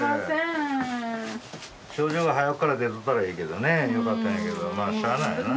症状が早くから出とったらええけどねよかったんやけどまあしゃあないわな。